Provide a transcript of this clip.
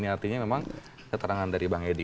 artinya memang keterangan dari bang edi